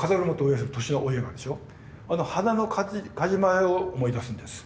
あの「花の風車」を思い出すんです。